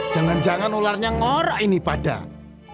jangan jangan ularnya ngorak ini padang